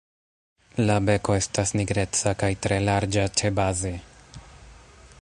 La beko estas nigreca kaj tre larĝa ĉebaze.